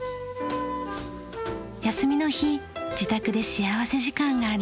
休みの日自宅で幸福時間があります。